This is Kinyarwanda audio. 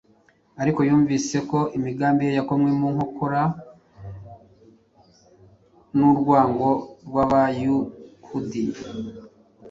ariko yumvise ko imigambi ye yakomwe mu nkokora n’urwango rw’Abayahudi.